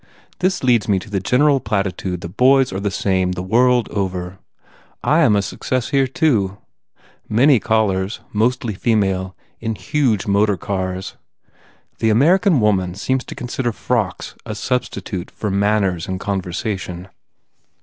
This leads me to the general platitude that boys are the same the world over. I am a success here, too. Many callers, mostly female, in huge motor cars. The American woman seems to consider frocks a substitute for manners and conversation.